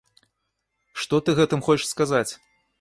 Што ты гэтым хочаш сказаць?